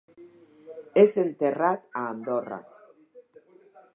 És enterrat a Andorra.